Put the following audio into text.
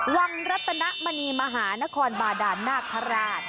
รัตนมณีมหานครบาดานนาคาราช